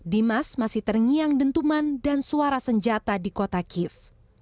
dimas masih terngiang dentuman dan suara senjata di kota kiev